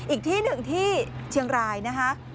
อีกที่หนึ่งที่เชียงรายนะคะ